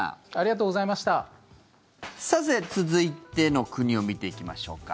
さて、続いての国を見ていきましょうか。